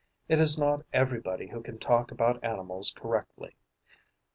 It is not everybody who can talk about animals correctly.